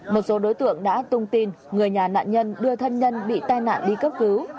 một số đối tượng đã tung tin người nhà nạn nhân đưa thân nhân bị tai nạn đi cấp cứu